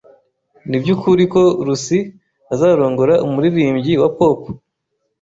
Nibyukuri ko Lucy azarongora umuririmbyi wa pop.